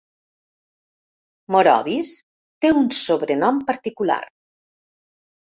Morovis té un sobrenom particular.